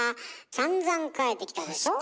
さんざん書いてきたでしょ？